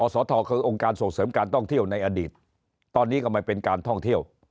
สทคือองค์การส่งเสริมการท่องเที่ยวในอดีตตอนนี้ก็ไม่เป็นการท่องเที่ยว